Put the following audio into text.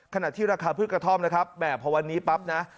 ขณะที่ราคาพืชกระท่อมนะครับแหมพอวันนี้ปั๊บนะ